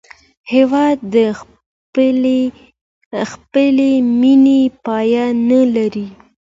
هېواد د خپلې مینې پای نه لري.